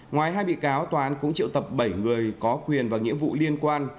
ngoài hai bị cáo tòa án cũng triệu tập bảy người có quyền và nghĩa vụ liên quan